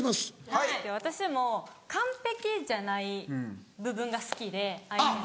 はい私も完璧じゃない部分が好きで相手の。